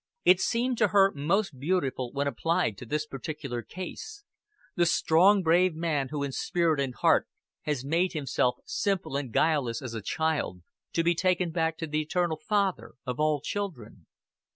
It seemed to her most beautiful when applied to this particular case the strong brave man who in spirit and heart has made himself simple and guileless as a child, to be taken back to the Eternal Father of all children.